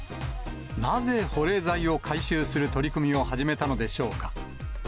なぜ、保冷剤を回収する取り組みを始めたのでしょうか。